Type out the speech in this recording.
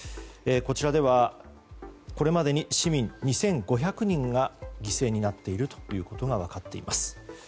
こちらでは、これまでに市民２５００人が犠牲になっていることが分かっています。